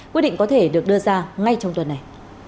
quyết định có thể được đưa ra ngay trong tuần này